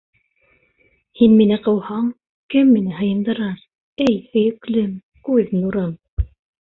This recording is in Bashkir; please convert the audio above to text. Һин мине ҡыуһаң, кем мине һыйындырыр, эй һөйөклөм, күҙ нурым!